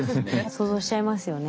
想像しちゃいますよね。